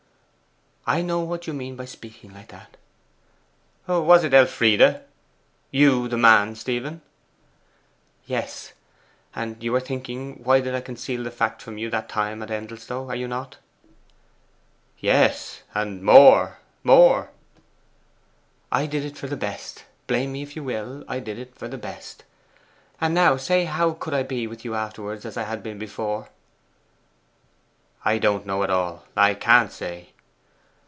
'I know what you mean by speaking like that.' 'Was it Elfride? YOU the man, Stephen?' 'Yes; and you are thinking why did I conceal the fact from you that time at Endelstow, are you not?' 'Yes, and more more.' 'I did it for the best; blame me if you will; I did it for the best. And now say how could I be with you afterwards as I had been before?' 'I don't know at all; I can't say.